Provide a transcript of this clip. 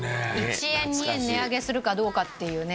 １円２円値上げするかどうかっていう時代で。